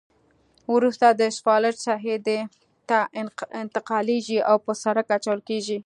وروسته دا اسفالټ ساحې ته انتقالیږي او په سرک اچول کیږي